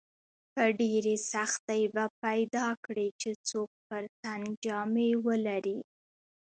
په ډېرې سختۍ به پیدا کړې چې څوک پر تن جامې ولري.